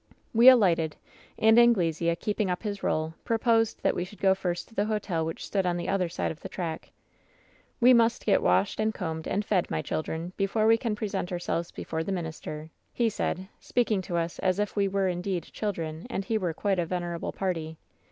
"We alighted, and Anglesea, keeping up his role, pro* posed that we should go first to the hotel which stood on the other side of the track. " We must get washed, and combed, and fed, my children, before we can present ourselves before the mitt* ister,' he said, speaking to us as if we were indeed chil dren and he were quite a venerable party.